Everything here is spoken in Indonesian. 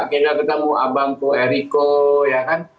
akhirnya ketemu abangku eriko ya kan